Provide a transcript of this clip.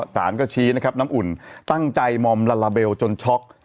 สารก็ชี้นะครับน้ำอุ่นตั้งใจมอมลาลาเบลจนช็อก